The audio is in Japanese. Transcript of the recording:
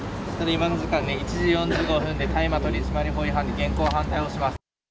今の時間ね、１時４５分で大麻取締法違反の現行犯逮捕します。